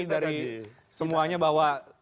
dari semuanya bahwa